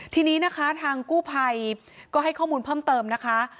ทีนี้นะคะทางกู้ภัยก็ให้ข้อมูลเพิ่มเติมนะคะ